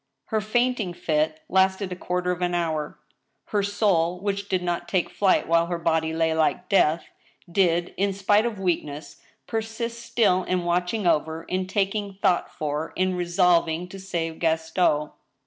Her fainting fit lasted a quarter of an hour. Her soul, which did not take flight while her body lay like death, didv in spite of weakness, persist still in watching over, in taking thought for, in resolving to save Gaston.